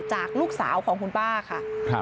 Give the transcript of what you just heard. จากลูกสาวของคุณป้าค่ะ